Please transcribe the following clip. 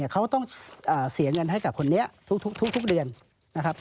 เขาต้องเสียเงินให้กับคนนี้ทุกเดือนนะครับ